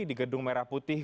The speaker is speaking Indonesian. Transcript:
di gedung merah putih